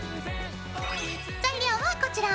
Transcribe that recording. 材料はこちら。